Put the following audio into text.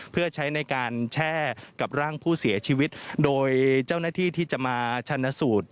เพื่อใช้ในการแช่กับร่างผู้เสียชีวิตโดยเจ้าหน้าที่ที่จะมาชันสูตร